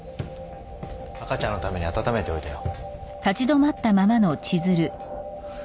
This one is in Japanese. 赤ちゃんのために暖めておいたよ。